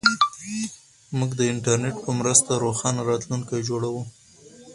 موږ د انټرنیټ په مرسته روښانه راتلونکی جوړوو.